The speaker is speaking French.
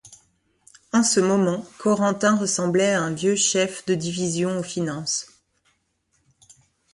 En ce moment, Corentin ressemblait à un vieux Chef de Division aux Finances.